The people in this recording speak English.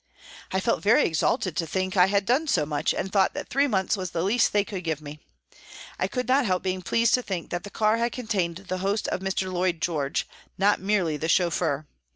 I felt very exalted to think I had done so much, and thought that three months was the least they could give me. I could not help being pleased to think that the car had contained the host of Mr. Lloyd George, not merely the chauffeur.